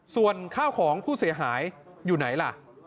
ส่วนข้าวของผู้เสียหายอยู่ไหนล่ะ